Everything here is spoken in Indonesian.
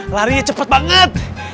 larinya cepet banget